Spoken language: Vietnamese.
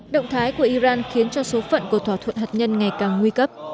động thái của iran khiến cho số phận của thỏa thuận hạt nhân ngày càng nguy cấp